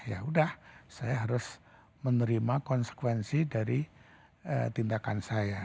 ya udah saya harus menerima konsekuensi dari tindakan saya